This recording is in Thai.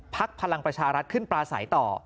ภักดิ์พลังประชารัฐขึ้นปลาสายต่อ